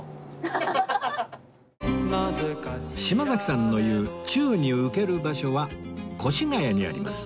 島崎さんの言う「宙に浮ける場所」は越谷にあります